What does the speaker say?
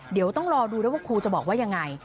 เดี๋ยวต้องรอดูด้วยว่าครูจะบอกว่ายังไง